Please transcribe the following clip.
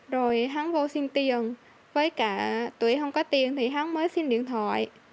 rồi hắn vô xin tiền với cả tụi em không có tiền thì hắn mới xin điện thoại